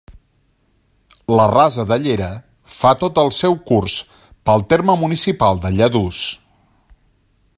La Rasa de Llera fa tot el seu curs pel terme municipal de Lladurs.